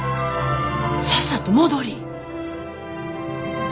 さっさと戻りい。